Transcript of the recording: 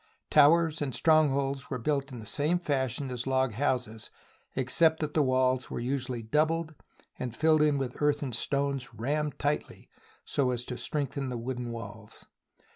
Towers and strongholds were built in the same fashion as log houses, except that the walls were usually doubled and filled in with earth and stones, rammed tightly so as to strengthen the wooden walls.